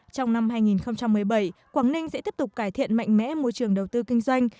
trong năm hai nghìn một mươi bảy quảng ninh sẽ tiếp tục cải thiện mạnh mẽ môi trường đầu tư kinh doanh